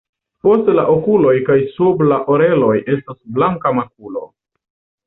Post la okuloj kaj sub la oreloj estas blanka makulo.